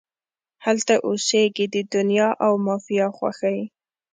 هلته اوسیږې د دنیا او مافیها خوښۍ